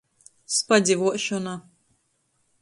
Spadzivuošona.